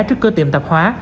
trước cơ tiệm tạp hóa